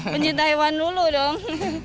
pencinta hewan dulu dong